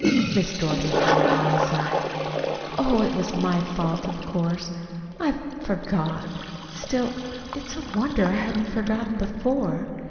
Miss Dorothy drew a long sigh. "Oh, it was my fault, of course. I forgot. Still, it's a wonder I hadn't forgotten before.